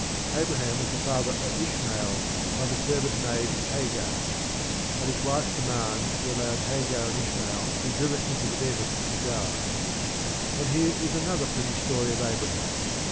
Abraham was the father of Ishmael by the servant maid Hagar. At his wife's demand he allowed Hagar and Ishmael to be driven into the desert to die. And here is another pretty story of Abraham.